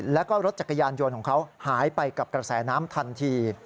แล้วก็รถจักรยานยนต์ของเขาหายไปกับกระแสน้ำทันที